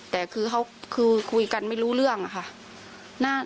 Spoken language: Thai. แต่คือเขาคือคุยกันไม่รู้เรื่องอะค่ะ